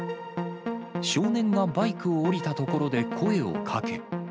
少年がバイクを降りたところで声をかけ。